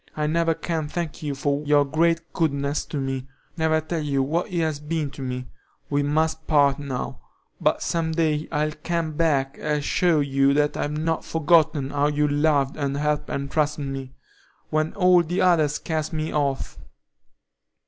I never can thank you for your great goodness to me, never tell you what it has been to me. We must part now; but some day I'll come back and show you that I've not forgotten how you loved and helped and trusted me, when all the others cast me off."